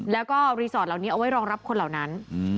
แล้วก็รีสอร์ทเหล่านี้เอาไว้รองรับคนเหล่านั้น